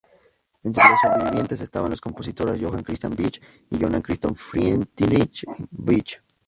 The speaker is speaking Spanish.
Entre los sobrevivientes estaban los compositores Johann Christian Bach y Johann Christoph Friedrich Bach.